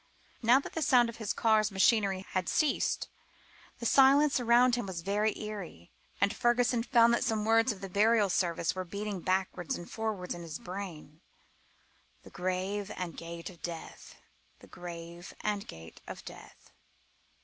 Now that the sound of his car's machinery had ceased, the silence around him was very eerie, and Fergusson found that some words of the burial service were beating backwards and forwards in his brain "The grave and gate of death ... The grave and gate of death."